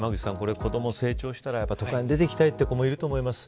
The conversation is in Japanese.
子ども成長したら都会に出ていきたいという子もいると思います。